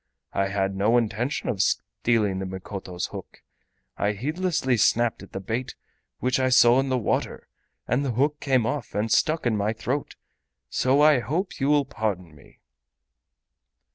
I had no intention of stealing the Mikoto's hook. I heedlessly snapped at the bait which I saw in the water, and the hook came off and stuck in my throat. So I hope you will pardon me."